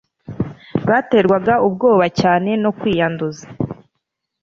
Baterwaga ubwoba cyane no kwiyanduza.